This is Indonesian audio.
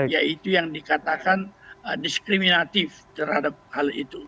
yaitu yang dikatakan diskriminatif terhadap hal itu